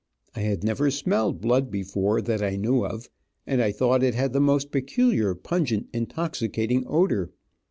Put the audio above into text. I had never smelled blood before, that I knew of, and I thought it had the most peculiar, pungent, intoxicating odor.